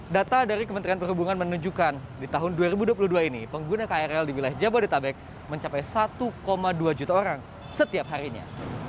data dari kementerian perhubungan menunjukkan di tahun dua ribu dua puluh dua ini pengguna krl di wilayah jabodetabek mencapai satu dua juta orang setiap harinya